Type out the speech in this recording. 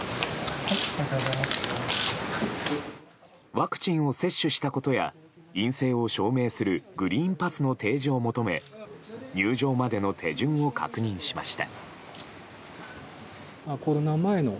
ワクチンを接種したことや陰性を証明するグリーンパスの提示を求め入場までの手順を確認しました。